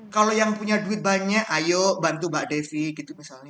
kalau yang punya duit banyak ayo bantu mbak devi gitu misalnya